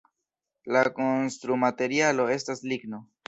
La konstrumaterialo estas ligno.